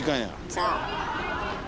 そう。